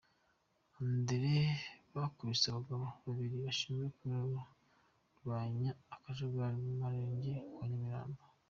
André bakubise abagabo babiri bashinzwe kurwanya akajagari mu Murenge wa Nyamirambo.